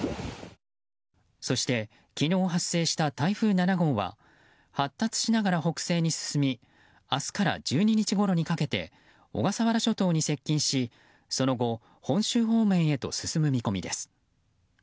そして、昨日発生した台風７号は発達しながら北西に進み明日から１２日ごろにかけて小笠原諸島に接近しその後本州方面へと進む見込みです。